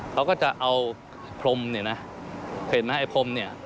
เขาก็จะเอาพรมเนี่ยนะเห็นไหมไอ้พรมเนี่ย